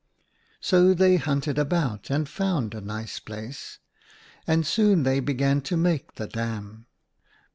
" So they hunted about and found a nice place, and soon they began to make the dam.